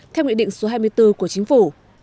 theo nghị định số hai mươi bốn của chính phủ